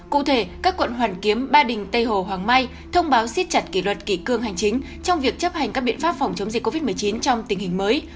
cụ thể các quận hoàn kiếm ba đình tây hồ hoàng mai thông báo siết chặt kỷ luật kỷ cương hành chính trong việc chấp hành các biện pháp phòng chống dịch covid một mươi chín trong tình hình mới